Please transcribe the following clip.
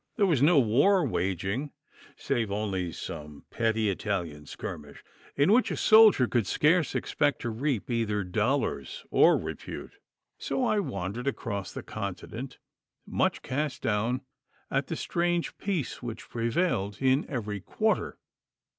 There was no war waging save only some petty Italian skirmish, in which a soldier could scarce expect to reap either dollars or repute, so I wandered across the Continent, much cast down at the strange peace which prevailed in every quarter.